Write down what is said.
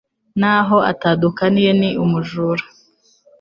nta ho atandukaniye n’umujura